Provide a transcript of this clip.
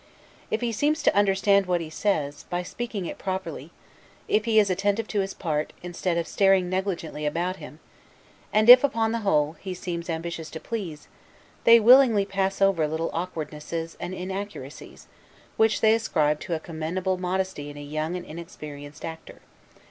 If he seems to understand what he says, by speaking it properly; if he is attentive to his part, instead of staring negligently about him; and if, upon the whole, he seems ambitious to please, they willingly pass over little awkwardnesses and inaccuracies, which they ascribe to a commendable modesty in a young and inexperienced actor.